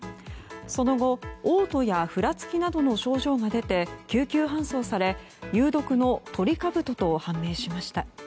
その後、おう吐やふらつきなどの症状が出て救急搬送され、有毒のトリカブトと判明しました。